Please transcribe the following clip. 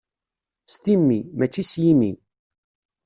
S timmi, mačči s yimi.